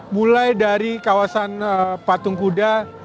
mulai dari kawasan patung kuda